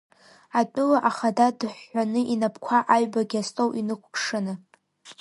Атәыла ахададыҳәҳәаны, инапқәааҩбагьы астол инықәкшаны.